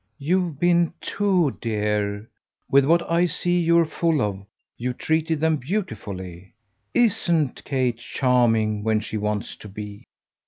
"You've been too dear. With what I see you're full of you treated them beautifully. ISN'T Kate charming when she wants to be?"